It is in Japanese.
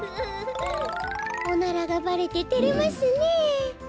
おならがばれててれますねえ。